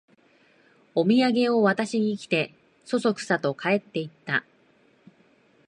おみやげを渡しに来て、そそくさと帰っていった